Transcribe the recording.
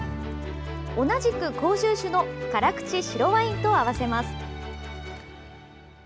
同じく甲州種の辛口白ワインと合わせます。